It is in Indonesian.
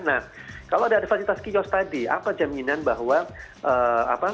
nah kalau ada adevasitas kios tadi apa jaminan bahwa protowar tadi akan bebas pkl